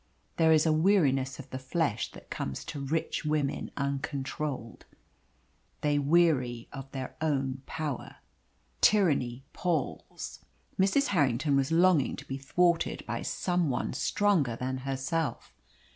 There is a weariness of the flesh that comes to rich women uncontrolled. They weary of their own power. Tyranny palls. Mrs. Harrington was longing to be thwarted by some one stronger than herself.